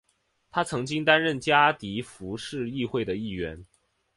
他曾经担任加的夫市议会的议员。